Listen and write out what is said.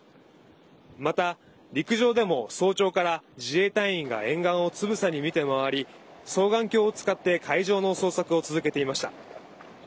また、陸上でも早朝から自衛隊員が沿岸をつぶさに見て回り双眼鏡を使って海上の捜索を続けていました。